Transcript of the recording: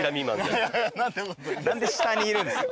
何で下にいるんですか？